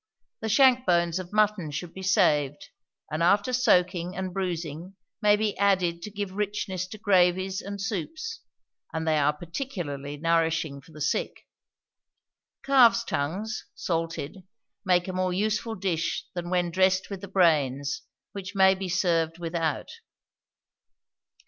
The shank bones of mutton should be saved, and after soaking and bruising may be added to give richness to gravies and soups, and they are particularly nourishing for the sick. Calves' tongues, salted, make a more useful dish than when dressed with the brains, which may be served without.